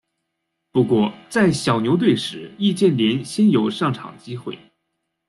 不过在小牛队时易建联鲜有上场机会。